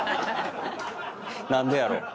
何でやろう？